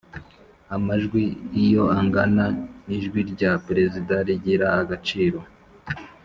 amajwi iyo angana ijwi rya Perezida rigira agaciro